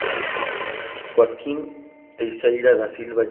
Joaquim Teixeira da Silva Jr.